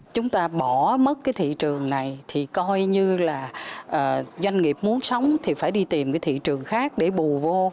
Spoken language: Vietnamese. chúng ta bỏ mất cái thị trường này thì coi như là doanh nghiệp muốn sống thì phải đi tìm cái thị trường khác để bù vô